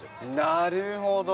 なるほど。